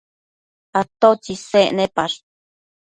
atotsi isec nepash?